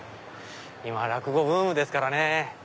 今落語ブームですからね。